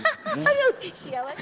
幸せ！